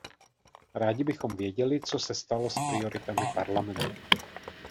Rádi bychom věděli, co se stalo s prioritami Parlamentu.